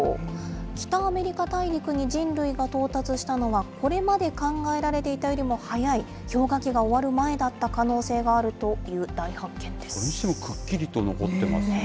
北アメリカ大陸に人類が到達したのは、これまで考えられていたよりも早い、氷河期が終わる前だった可能性があるという大発見です。